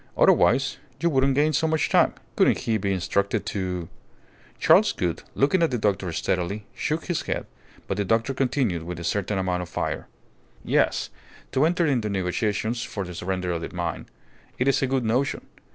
Otherwise you wouldn't gain so much time. Couldn't he be instructed to " Charles Gould, looking at the doctor steadily, shook his head, but the doctor continued with a certain amount of fire "Yes, to enter into negotiations for the surrender of the mine. It is a good notion.